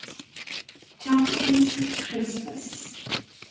TOTTY'S CHRISTMAS.